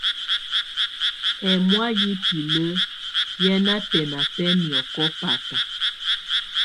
Ɛ́mɔ̀á yɛ́ biǝ́li ƴɛ́ ná bɛ́ná bɛ́ miɔ̀kɔ báta.